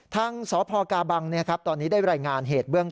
ทางสพกาบังตอนนี้ได้รายงานเหตุเบื้องต